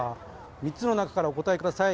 ３つの中からお答えください。